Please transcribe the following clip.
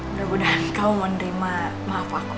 mudah mudahan kamu mau nerima maaf aku